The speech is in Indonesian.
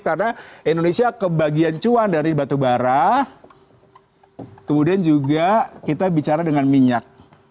karena indonesia kebagian cuan dari batu bara kemudian juga kita bicara dengan minyak